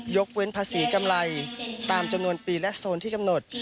เว้นภาษีกำไรตามจำนวนปีและโซนที่กำหนด